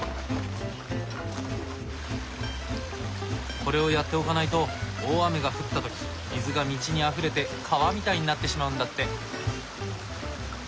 これをやっておかないと大雨が降った時水が道にあふれて川みたいになってしまうんだって。